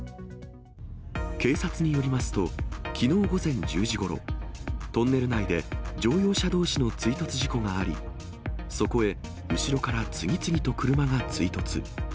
警察によりますと、きのう午前１０時ごろ、トンネル内で乗用車どうしの追突事故があり、そこへ後ろから次々と車が追突。